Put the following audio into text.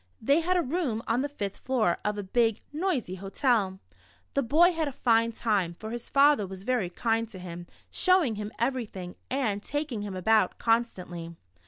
They had a room on the fifth floor of a big, noisy hotel. The bov had a fine time, for his father was very kind to him, showing him everything, and taking him about constantly.